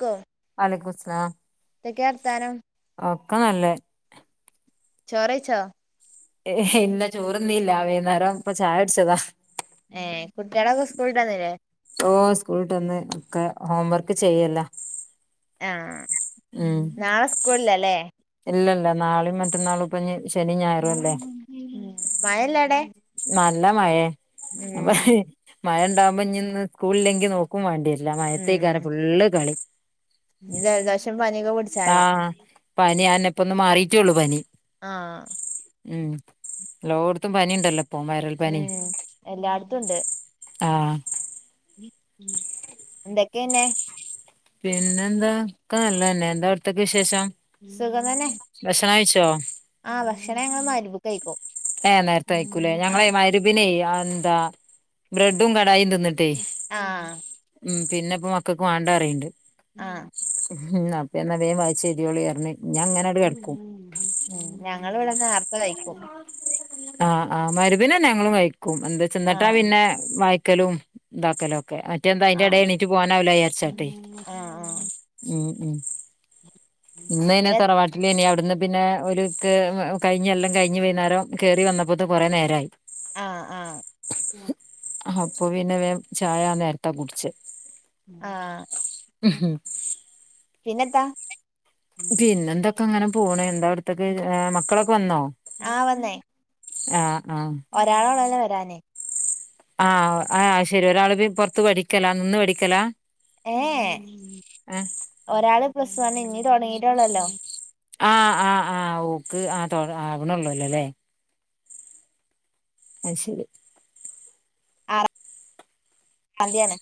ക്കൊ വലൈക്കുംസ്ലാം എതൊക്കെ വർത്താനം ഒക്കെ നല്ലേ ചോറേച്ചോ ഏഹ് ഇല്ല ചോറന്നീല്ല വൈകുന്നേരം ഇപ്പൊ ചായ അടിച്ചതാ ഏഹ് കുട്ടികളൊക്കെ സ്കൂളിടന്നില്ലേ ഓ സ്കൂളിട്ടൊന്ന് ഒക്കെ ഹോം വർക്ക് ചെയ്യല്ല ആഹ് ഉം നാളെ സ്കൂളിലല്ലേ ഇല്ലല്ല നാളെയും മറ്റന്നാളും ഇപ്പഞ്ഞി ശനി ഞായറും അല്ലേ ഉം മഴല്ലാടെ നല്ല മഴേ മഴ ഉണ്ടാവുമ്പോ ഇഞ്ഞ്ന്ന് സ്കൂളിലെങ്കി നോക്ക ക്കും വാണ്ടിയര്ല്ല മഴത്തേക്കാരം ഫുള്ള് കളി ഈ ദലദോശം പനിയൊക്കെ പിടിച്ചാലെ ആഹ് പനി ആന്നപ്പഒന്ന് മാറിയിട്ടേള്ളു പനി ആഹ് ഉം എല്ലോടത്തും പനി ഉണ്ടല്ലോ ഇപ്പൊ വയറൽ പനി ഉം എല്ലായിടത്തും ആഹ് എന്തൊക്കെയന്നെ പിന്നെ എന്താക്ക നല്ലന്നെ എന്താ അവിടത്തേക്ക വിശേഷം സുഖതന്നെ ഭക്ഷണം കഴിച്ചോ ആഹ് ഭക്ഷണം ഞങ്ങള് മഗ്‌രിബ്ക്ക് കഴിക്കും ഏഹ് നേരത്തെ അയക്കൂലേ ഞങ്ങളെ ആഹ് മഗ്‌രിപിനെ അഎന്താ ബ്രെഡും കടായിം തിന്നി ആഹ് ഉം പിന്നെ ഇപ്പ മക്കൾക്ക് വാണ്ടറിണ്ട് ആഹ് ഉം അപ്പ എന്നാ വേം വായിച്ചെതിയോളിഅർന് ഞാൻങ്ങനെ ഉം ഞങ്ങള് ഇവിടെ നേർത്ത കഴിക്കും ആഹ് ആഹ്‌ മഗ്‌രിബിനന്നെ ഞങ്ങളും കഴിക്കും എന്താ ചെന്നിട്ടാ ആഹ് പിന്നെ വായിക്കലും ഇതാക്കലും ഒക്കെ അ മറ്റ എന്താ അതിന്റെട ആഹ് എണീറ്റ് പോകാനാവല്ലോ വിയാരിച്ചാട്ടെ ആഹ് ആഹ് ഉം ഉം ഇന്ന്നെ പിന്നെ തറവാട്ട ഇല്ലനി അവിടുന്ന് പിന്നെ ഒരു കഴിഞ്ഞല്ലാം കഴിഞ് വൈകുന്നേരം കേയറി വന്നപ്പോത്തെ കുറേ നേരമായി ആഹ് ആഹ് അപ്പൊ പിന്നെ വ ചായ നേരത്താ കുടിച്ച ആഹ പിന്നന്താ പിന്നെന്തൊക്കെ അങ്ങനെ പോണ എന്താ അവിടത്തക്ക മക്കളൊക്കെ വന്നോ ആഹ ആഹ ഒരാളോളല്ലെ വരാനേ ആഹ ആഹ ശെരി ഒരാള് പുറത്ത് പഠിക്കല നിന്ന് പഠിക്കലാ ഏഹ ഏഹ് ഒരാള് പ്രസമാണ് ഇനി തുടങ്ങിട്ടള്ളല്ലോ ആഹ് ആഹ്‌ ആഹ് ഊക്ക് ആ അവിണള്ളല്ലോ അല്ലേ അ ശരി ആഹ സന്തിയാണ്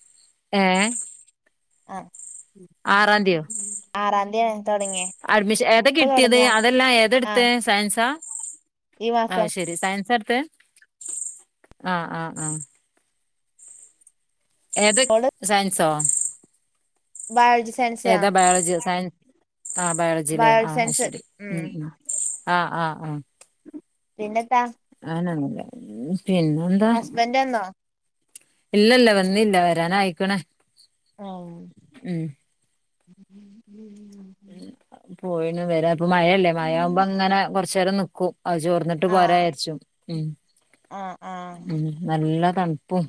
ഏഹ ആഹ ആറാംതിയോ ആറാന്തിയ തുടങ്ങിയെ അഡ്മിഷൻ ഏതാ കിട്ടിയത് അതെല്ലാ ആ ഏതെട്ത്തത് സയൻസാ ഈ ആ മാസം [unintelligible] ശരി സയൻസാട്ത്തെ ആഹ ആഹ ആഹ ഏതാ ഓള് സയൻസോ ബയോളജി സയൻസ് ആ ഏതാ ബയോളജിയോ സയൻസ് ആഹ ബയോളജില്ലേ ബയോളജി ആഹ് സയൻസ് ശരി ഉം ഉ ആഹ് ആഹ് ആഹ പിന്നെന്താ? അങ്ങനെന്നുല്ല പിന്നെന്താ? വന്റെന്നോ ഇല്ലല്ല വന്നില്ല വരാൻ ആയിക്ക്ണ് ആഹ [unintelligible] ഉം പോയിണ് വരാ അപ്പ മഴല്ലേ മഴ ആവുമ്പോ അങ്ങനെ കൊറചേരം നിക്കും അഹ് ചോർന്നിട്ട ട്ട് ആ പോരാരിച്ചും ഉം ആ ആ ഉം നല്ല തണുപ്പും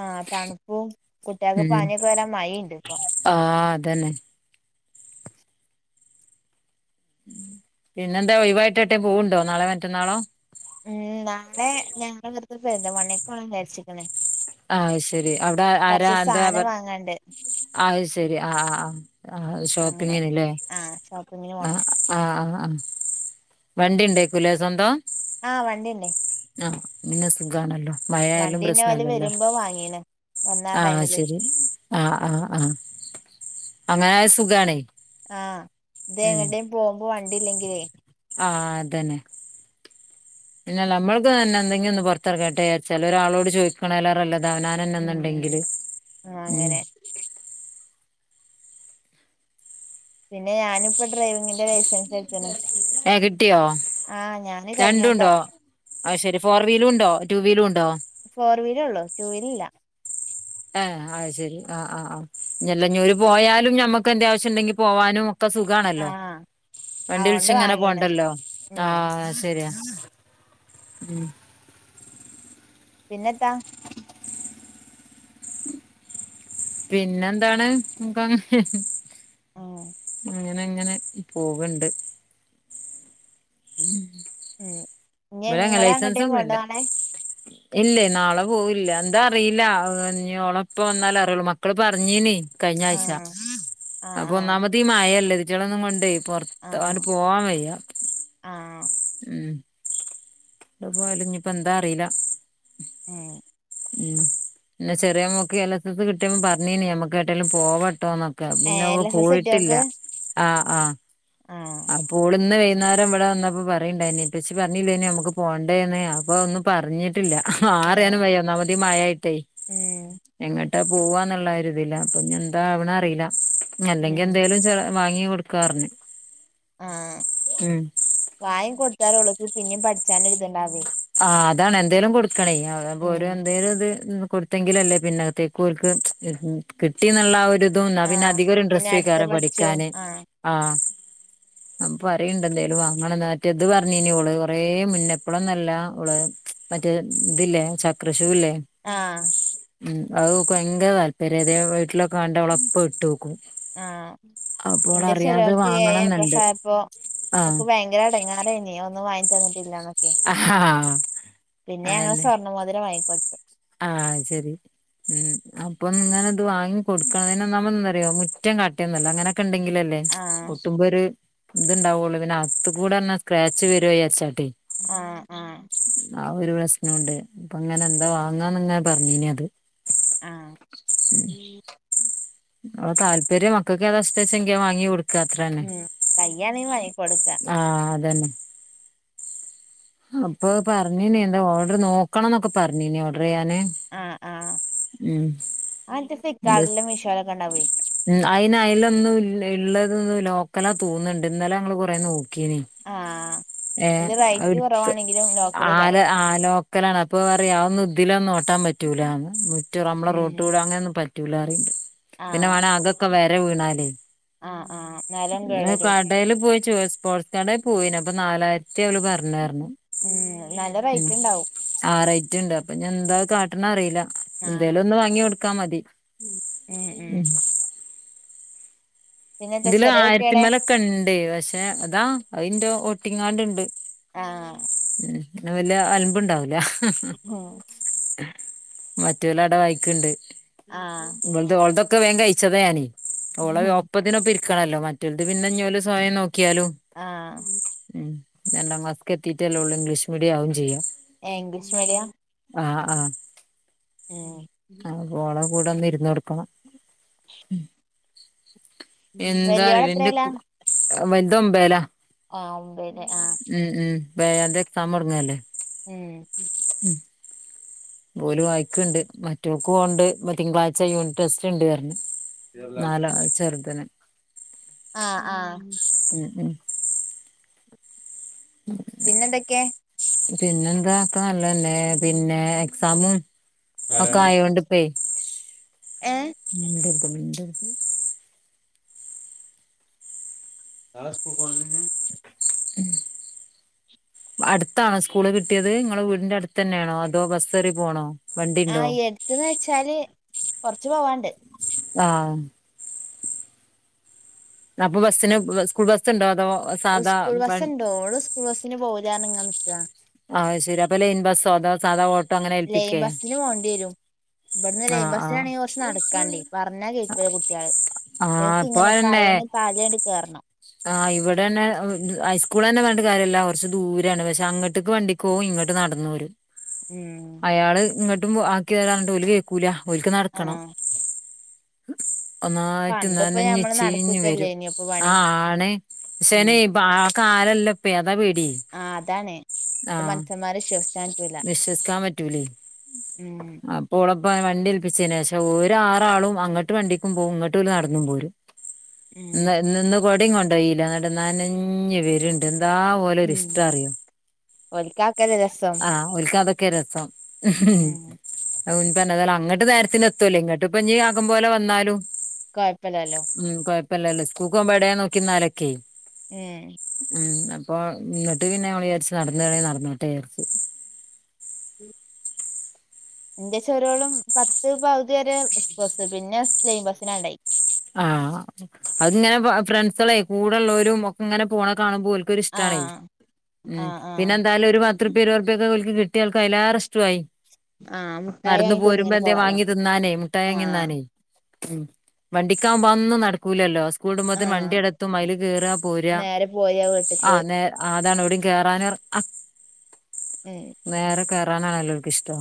ആ തണുപ്പും കുട്ട്യാൾക്ക് പാനിയൊക്കെ വരാൻ മഴ ഇണ്ട് ഇപ്പൊ ആഹ അതന്നെ പിന്നെന്താ ഒഴിവായിട്ട് ഏട്ടേം പോവുണ്ടോ നാളെ മറ്റന്നാളോ? ഉം നാളെ ഞങ്ങള് വെർതെ പെരിന്തമണ്ണേക്ക് പോണം വിജാരിച്ചിക്ക്ണ് ആഹ ശരി അവിടെ ആരാ എന്താ സാധനം വാങ്ങാണ്ട് അ ശരി ആഹ ആഹ ആഹ [unintelligible] അങ്ങനെ ഷോപ്പിങ്ങിന്ല്ലേ ആഹ് ഷോപ്പിങ്ങിന് ആഹ പോണം ആഹ ആഹ വണ്ടിണ്ടേക്കുലേ സ്വന്തം ആഹ വണ്ടിണ്ടേ ആഹ് പിന്നെ സുഖാണല്ലോ? മഴയായാലും വണ്ടീന്നെ ഓല് വരുമ്പോ വാങ്ങിണ് ആഹ ശരി ആഹ ആഹ ആഹ അങ്ങനെ ആയാ സുഖാണേ ആഹ ഇത് എങ്ങട്ടേം പോകുമ്പോ വണ്ടില്ലെങ്കിലേ ആഹ അതന്നെ പിന്നെ നമ്മൾക്ക് തന്നെ എന്തെങ്കും ഒന്ന് പൊറത്ത് എറങ്ങട്ടെ വിച്ചാര്ച്ചാൽ ഒരാളോട് ചോദിക്കണേലേറെ നല്ലത് അവനാ ഉം തന്നന്നുണ്ടെങ്കില് ആഹ് ഉം അങ്ങനെ പിന്നെ ഞാനിപ്പോ ഡ്രൈവിങ്ങിന്റെ ലൈസൻസ് എടുത്ത്ണ് ഏഹ കിട്ടിയോ? ആഹ് ഞാന് കഴിഞ്ഞൊല്ലം രണ്ടുണ്ടോ ആ ശെരി ഫോർ വീലുണ്ടോ ടു വീലുണ്ടോ ഫോർ വീൽ ഒള്ളൂ ടു വീൽ ഇല്ല ഹ ആ ശെരി ആ ആ ആ ഇല്ല ഇഞ്ഞോര് പോയാലും ഞമ്മക്ക് എന്തേ ആവശ്യണ്ടെങ്കി പോവാനും ഇപ്പം സുഖാണല്ലോ ആഹ് വണ്ടി വിളിച്ച് അതൊണ്ട് ഇങ്ങനെ വാങ്ങീണ് പോണ്ടല്ലോ ഉം ആഹ ശരിയാ ഉം പിന്നെന്താ മം പിന്നെ എന്താണ് ഞമ്മ ആഹ് അങ്ങനെ അങ്ങനെ പോകണ്ട് ഉം ഉം ഇനി ഇങ്ങൾ എങ്ങട്ടേം പോവ്ണ്ടോ ഒന്നുല്ല നാളെ ഇല്ലേ നാളെ പോവില്ല എന്താ അറിയില്ല ഇഞ് ഓളെ ഇപ്പ വന്നാല അറിയുള്ളു മക്കള് പറഞ്ഞീനി കഴിഞ്ഞ ആഴ്ച ആഹ് അപ്പൊ ഒന്നാമത്തെ ആഹ് മയല്ലേ ഇതിറ്റങ്ങളീം ഒന്നും കൊണ്ടേ പൊറത്ത് ആഹ് അങ്ങട്ട് പോവാൻ വയ്യ ആഹ് ഉം എവടെ പോയാലും ഇനിപ്പോ എന്താ അറീല്ല ഏഹ് ഉം ന്നെ ചെറിയ മോക്ക് എൽ എസ് എസ് കിട്ടിയപ്പം പറഞ്ഞീനി നമ്മുക്ക് ഏട്ടെലും പോവട്ടോന്ന് പിന്നെ ഏഹ് എൽ അഹ് എസ് എസ് പോയിട്ടില്ല കിട്ടിയോക്ക് ആഹ് ആഹ് ആഹ് അപ്പോൾ ഇന്ന് വൈന്നേരം ഇവ്ടെ വന്നപ്പോ പറണ്ടേനി ഇപ്പച്ചി പറഞ്ഞില്ലേനിയാ അമ്മക്ക് പോണ്ടേന്ന് അപ്പൊ ഒന്ന് പറഞ്ഞി ട്ടില്ല അഹ് ആഹ് അറിയാനും വയ്യ ഒന്നാമത് ഈ മഴയായിട്ടെ ഉം എങ്ങട്ടാ പോവാന്ന്ള്ള ഒര്തില്ല അപ്പൊ എന്താ ആവ്ണ് അറീല. അല്ലെങ്കിൽ ഉം എന്തേലും ചെ വാങ്ങി കൊടുക്കാർഞ്ഞ്. ആഹ്. ഉം. വാങ്ങി കൊടുത്താലോള്ക്ക് പിന്നേം പഠിച്ചാനൊര് ഇത്ണ്ടാവുവേ ആഹ് അതാണ് എന്തെലും കൊട്ക്കണേ അതാവുമ്പോ ഉം ഒരു എന്തേലും ഇത് കൊടുത്തെങ്കിലല്ലേ പിന്നെത്തേക്കോൽക്ക് കിട്ടിന്നുള്ള ആഹ് ഒര് തും ന്നാ പിന്നെ ആഹ് അധികൊര് പിന്നെ അടുത്ത ഇൻട്രസ്റ്റേക്കാരം പഠിച്ചും പഠിക്കാന് ആഹ് ആഹ് ആഹ് പറിണ്ട് എന്തേലും വാങ്ങണന്ന് മറ്റെത് പറഞ്ഞീനോള് കൊറേ മുന്നെ ഇപ്പളൊന്നുയല്ല ഓള് മറ്റേ ഇത് ഇല്ലെ ചക്രഷുവില്ലെ. ആഹ് ഉം അത് ഓക്ക് ബൈങ്കര താല്പര്യ ഏതേലും വീട്ടിലൊക്കെ കണ്ടാ ഓളപ്പം ഇട്ടോക്കും. ആഹ് അപ്പോൾ ഇന്റെ അറിയാതെ ചെറിയോൾക്ക് ഏഴ് എ വാങ്ങണംന്നുണ്ട് പ്ലസായപ്പൊ ഓക്ക് ആഹ് ബൈങ്കര. [unintelligible] ഒന്നും വാങ്ങിതന്ന്ട്ട്ല്ലാന്നൊക്കെ ആഹ് പിന്നെ അങ്ങൾ അതന്നെ സ്വർ സ്വർണ മോതിരം വാങ്ങിക്കൊട്ത്ത്. ആഹ് ശെരി ഉം അപ്പൊങ്ങനെ. ത് വാങ്ങി കൊടുക്കണം പിന്നെ ഒന്നാമത് എന്താന്നറിയൊ മുറ്റം കട്ട്യൊന്നല്ല അങ്ങനെക്കെണ്ടങ്കിലല്ലേ. ആഹ് ഓട്ടുമ്പൊര് ഇത്ണ്ടാവുള്ളൂ പിന്നെ അത്ത് കൂടെ തന്ന സ്ക്രാച്ച് വരോയാര്ച്ചാണ്ട്. ആഹ് ആഹ്. ആഹ് ഒര് പ്രശ്നുണ്ട് അപ്പങ്ങനെ എന്താ വാങ്ങാന്ന്ങ്ങനെ പറഞ്ഞീനിയത്. ആഹ് [inaudible] ഓ താല്പര്യം മക്കക്ക് ഏതാതഷ്ട്ടച്ചെങ്കി അഹ് വാങ്ങി കൊട്. ഉം കയ്യാണെ വാങ്ങി കൊട്ക്കാ. ആഹ് അതന്നെ. അപ്പൊ പറഞ്ഞീനീ എന്തൊ ഓഡർ നോക്കണം ന്നൊക്കെ പറഞ്ഞീനി ഓഡറെയ്യാന്. ആഹ് ആഹ് ആത്തെ ഫ്ലിപ്കാട്ടിലും മീഷോയിലൊക്കെ ഇണ്ടാവുവേ ഉം അയ്ന് അയ്ലൊന്നും ഇൽ ഇള്ളതൊന്നു ലോക്കലാ തോന്ന്ണ്ട് ഇന്നലെ ഞങ്ങൾ കൊറേ നോക്കീനി. ആഹ് അയ്ല് റൈറ്റ് കൊറവാണെങ്കിലും. ലോക്കലേക്കാരം ആല്ല ആഹ് ലോക്കലാണ് അപ്പൊ പറയാ അത് ഇതിലൊന്നും ഓട്ടാൻ പറ്റൂലാന്ന് മുറ്റ അമ്മളെ റോ ഉം ട്ടിലൂടെ അങ്ങനൊന്നും പറ്റൂലന്ന് പറയണ്ട് പിന്നെ ആഹ് വേണെ അകൊക്കെ വെര വീണാലേ ആഹ് ആഹ് ന്നാലും പിന്നെ കേടരും കാട് കടേല് പോയി ചോയിച് സ്പോട്സ്കടേല് പോയിനു അപ്പ നാലായിരത്തി ഓല് പർഞ്ഞാർന്നു ഉം നല്ല റൈറ്റ് ഇണ്ടാവും. ആ റൈറ്റൊണ്ട് അപ്പൊഞീ ന്താ കാട്ടണന്നറീയില്ലാ ആഹ് എന്തേലും ഒന്ന് വാങ്ങി കൊടുക്കാ മതി ഉം. പിന്നെന്താ ഇതിലു ചെറിയ കുട്ടിയടെ ആയിരത്തിമെലൊക്കൊണ്ട് പക്ഷേ അതാ അയിന്റെ ഓട്ടിങ്ങാണ്ടൊണ്ട്. ആ ഉം പിന്നെ വല്യ അലമ്പുണ്ടാവൂല. ഉം മറ്റോലവ്ടെ വായിക്കണ്ട്. ആ ഇവൾത് ഓൾതൊക്കെ വേം കയ്ച്ചതാ ഞാന് ഓളെ ഒ. ഒപ്പത്തിനൊപ്പം ഇരിക്കണല്ലോ മറ്റോൽത് പിന്നെ ഇഞോല് സ്വയം നോക്കിയാലും ആം ഉം രണ്ടാം ക്ലാസ്ക് എത്തീറ്റല്ലേയുള്ളു ഇംഗ്ലീഷ് മീഡിയം ആവും ചെയ്യാം. ഏ ഇംഗ്ലീഷ് മീഡിയാ ആ ആ ഏഹ്. ഓളെ കൂടെ ഒന്ന് ഇരുന്നുകൊടുക്കണം വലിയോള് എന്താഅറിയോ എന്റെ എത്രേലാ കു വലുതൊമ്പയിലാ ആ ഒമ്പയില് ആ ഉം ഉം പ്പം ഏഴാന്തി എക്സാം തൊടങ്ങയല്ലേ ഉം ഉം ഓല് വായിക്കണ്ട് മറ്റൊൾക്കു ഒണ്ട് തിങ്കളാഴ്ച യൂണിറ്റ് ടെസ്റ്റ് ഉണ്ട്റഞ്ഞു നാല് ചെറുതിന് ആ ആ [inaudible] [inaudible] പിന്നെന്തൊക്കെ പിന്നെന്താ ഒക്കെ നല്ലതന്നെ പിന്നെ എക്സാമും ഒക്കെ ആയൊണ്ട് വെയ്റ്റ് ഏ മിണ്ടരുത് മിണ്ടരുത് [unintelligible] ഉം അടുത്താണോ സ്കൂള് കിട്ടിയത് നിങ്ങളെ വീടിന്റെ അടുത്തന്നെയാണോ അതോ ബസ്സ് കേറി പോണോ ആ വണ്ടിണ്ടോ യെടുത്തുന്നുവെച്ചാല് കൊറച്ച് പോവാനൊണ്ട് ആ അപ്പോ ബസ്സിന് സ്കൂൾ ബസ്സൊണ്ടോ അതോ സാധാ സ്കൂൾ വ ബസ്സൊണ്ട് ഓള് സ്കൂൾ ബസ്സിന് പോവൂലാ എന്നിങ്ങനെ നിക്കാ ആയ്ശെരി അപ്പൊ ലൈൻബസ്സോ അതോ സാധാ ഓട്ട് ലൈൻബസ്സിന് പോണ്ടിവരും ഇവിടന്ന് ലൈൻ ആഹ് ആഹ് ബസ്സിനാണെങ്കി കൊറച്ച് നടക്കാണ്ടി പറഞ്ഞാ കേക്കൂലാ കുട്ടികള് ആഹ് ഏക്ക് ഇപ്പൊ ഇങ്ങനെ പറയണ് തലേണ്ട് കേറണം ആ ഇവിടന്നെ ഹൈസ്കൂളന്നെ പറഞ്ഞിട്ട് കാര്യല്ലാ കൊറച്ച് ദൂരേയാണ് പക്ഷെ അങ്ങോട്ടേക്ക് വണ്ടി കോ ഇങ്ങോട്ടുനടന്നു വരും ഉം അയാള് ഇങ്ങോട്ടും ആക്കി തരാനിട്ട് ഓല് കേക്കൂല ഓൽക്ക് നടക്കണം ആഹ് ഒന്നായിട്ട് പണ്ടിപ്പോ നനഞ്ഞ് ഞമ്മള് നടക്കക്കല്ലേ ചീഞ്ഞുവരും ഇനി ഇപ്പൊ പണി ആ ആണ് ഉം ശെനി പാ കാലം അല്ലപ്പേ അതാ പേടി ആഹ് താണേ ഇപ്പത്ത ആഹ് മന്ഷന്മാരെ വിശോസിച്ചൻ പറ്റുല്ല വിശ്വസിക്കാൻ ഏഹ് ഓളെപ്പ വണ്ടിയൽപ്പിച്ചേന് ശേഷം ഒരാറാളും അങ്ങട്ട് വണ്ടിക്കും പോഉം ഇങ്ങട്ട് ഓൽ നടന്നും പോരും ഉം [unintelligible] കൊടിങ്‌ കൊണ്ടോയീല്ല ന്നട്ട് നനഞ് വരുണ്ട് എന്താ ഓലെ ഒരിഷ്ടം അറിയോ ഓൽക്കാ അഒക്കെല്ലേ രസം ആഹ് ഓൽക്കാതൊക്കെ രസം ഉം ഉൻപന്നതല്ല അങ്ങട്ട് നേരത്തിന് എത്തുവല്ലോ ഇങ്ങോട്ട് ഇപ്പനി ആകും പോലെവന്നാലും കൊഴപ്പല്ലല്ലോ ഉം കൊഴപ്പല്ലല്ലോ സ്കൂക്കോഉമ്പ ഏടേ നോക്കിന്നാലൊക്കെ ഏഹ് ഉം അപ്പ ന്നട്ട് പിന്നെ ഞാ വിചാരിച്ചു നടന്നൊണേ നടന്നോട്ടേ വിചാരിച്ചു ഉം എന്റെ ചെറ്യോളും പത്ത് പകുതി വരെ ബസ്സ് പിന്നെ സ്ലെയിം ബസ്സിനാണ്ടായി ആഹ് അത്ങ്ങനെ ഫ ഫ്രണ്ട്സളെ കൂടെള്ളോരും ഒക്കെങ്ങനെ പോണഹ് കാണുമ്പോൽ ക്കൊരിഷ്ടാണെ ആഹ് ഉം ആഹ് പിന്നെ ആഹ് എന്തായാലും ഒരു വാ തൃപ്യ ഇരുവേർപ്യ ക്കെ ഓല്ക് കിട്ടിയൾക്ക അയ്ലേറെ ഇഷ്‌റ്റു ആയി ആഹ് മുട്ടായി നടന്ന് വാങ്ങി പോരുമ്പോ തിന്ന്ങ്ങനെ എന്തേ പോവാലോ വാങ്ങി തിന്നാനേ മുട്ടായ്‌വാങ്ങി ആഹ് ന്നാനേ ഉം വണ്ടിക്കാവ്മ്പോ അതൊന്നും നടക്കൂലല്ലോ സ് കൂടുമ്പോത്തിന് ആഹ് വണ്ടി എടത്തും മയ്ല് കേറാ പോര നേരെ പോരാ വീട്ട്ക്ക് ആഹ് ന്നേ ആതാണ് എവിടിം കേറാനും എർ അ ഏഹ് നേരെ കേറാനാണല്ലോൽക്കിഷ്ടം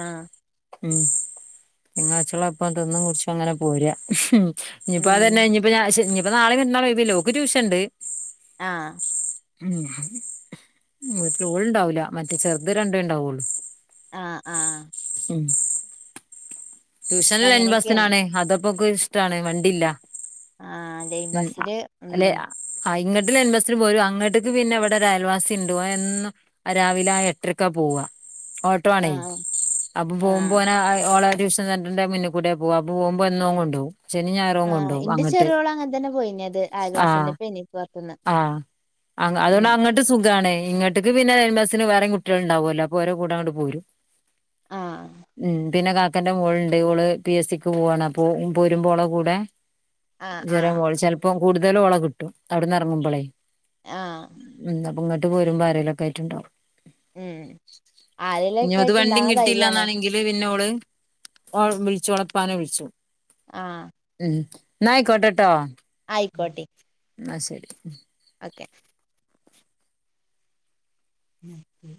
ആഹ് ഉം ങ്ങാച്ചുള അപ്പം തിന്നും കുടിച്ചും അങ്ങനെ പോരാ ഇനിയിപ്പ ഉം അതന്നെ ഇഞ്ഞി ഇപ്പ ഞാ ശെ ഇഞ്ഞിപ്പ നാളെ മറ്റന്നാളോ ഒയ് വില്ല ഓക്ക് ട്യൂഷൻണ്ട് ആഹ് ഉം വീട്ടില് ഓള് ഉണ്ടാവില്ല മറ്റേ ചെറുത് രണ്ടേ ഉണ്ടാവോളൂ ആഹ് ആഹ് ഉം അപ്പ ട്യൂഷൻല് ലയ്ൻ അങ്ങനെയൊക്കെയാണ് ബസിനാണേ അതപ്പൊക്കെ ഇഷ്ടാണ് വണ്ടി ഇല്ല ആ ലൈൻ ഉം അഹ് ബസ്സില് ഉം അല്ലെ അഹ് ആഹ് ഇന്നട്ട് ലയ്ൻബസിന് പോരും അങ്ങട്ട്ക്ക് പിന്നെ വടെ ഒരയൽവാസിണ്ട് ഓ എന്നും രാവിലെ ആഹ് എട്ടരക്കാ പോവാ ഓട്ടോ ആ ആണെ അപ്പം ആ പോഉമ്പോ ഓന അയ് ഓള ഷ സെൻട്രന്റെ മുന്നി കൂടെ പോവാ പോഉമ്പോ എന്നും അവൻ കൊണ്ടോവും ശനി, ഞായറും ആ കൊണ്ടോവും ഇന്റെ അങ്ങട്ട് ആഹ് എനിപ്പാത്ത്ന്ന് ആഹ് അങ്ങ് അതോണ്ട് അങ്ങട് ട്ട് സുഖാണേ ഇങ്ങട്ട്ക്ക് പിന്നെ ലേയ്ൻ ബസിന് വേറേം കുട്ടിള് ഉണ്ടാവുഅല്ലോ അപ്പോ ഓരേ കൂടെ ങ്ങട്ട് പോരും ആ ഏഹ് പിന്നെ കാക്കൻ്റെ മോളുണ്ട് ഓള് പി എസ് സിക്ക് പോവാണ് അപ്പോ പോരുമ്പോ ഓളെ കൂടെ ആ ആ ജരമോൾ ചെൽപ്പോം കൂടുതലും ഓള കിട്ടും അവിടുന്ന് എറങ്ങുമ്പൊളേ ആഹ് ഉം അപ്പ ഇങ്ങട്ട് പോരുമ്പ ആരേലൊക്ക ആയിട്ടുണ്ടാവും ഉം ആരേലൊക്കെ ഞൊത് ആയിട്ട് വണ്ടിം ഇണ്ടാവണ ധൈര്യാണ് കിട്ടീലാന്നാണെങ്കി ളി പിന്നോട് ഓള് ഒള് വിളിച്ചു ഓള പ്പാനെ വിളിച്ചു ആഹ് ഉം ന്നായികോട്ടേട്ടോ ആയിക്കോട്ടെ ന്നാ ശരി ഉം ഓക്കെ [unintelligible] ഓക്കെ